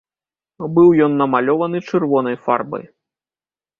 Быў ён намалёваны чырвонай фарбай.